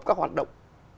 các hoạt động